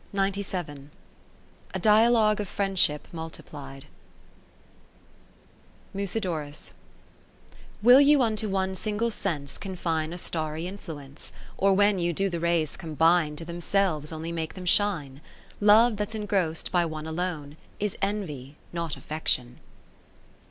A Dialogue of Friendship multiplied Musidorus Will you unto one single sense Confine a starry Influence ; Or when you do the rays combine. To themselves only make them shine ? Love that 's engross'd by one alone, Is envy, not affection.